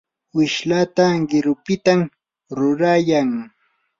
wishlata qirupitam rurayan.